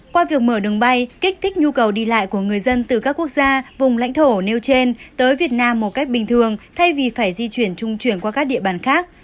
qua việc mở đường bay kích thích nhu cầu đi lại của người dân từ các quốc gia vùng lãnh thổ nêu trên tới việt nam một cách bình thường thay vì phải di chuyển trung chuyển qua các địa bàn khác